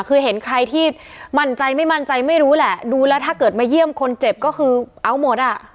คือเห็นใครที่มั่นใจไม่มั่นใจไม่รู้แหละดูแล้วถ้าเกิดมาเยี่ยมคนเจ็บก็คือเอาหมดอ่ะ